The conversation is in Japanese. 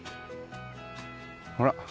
ほら。